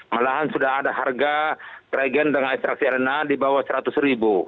malahan sudah ada harga regen dengan ekstrasi rna di bawah seratus ribu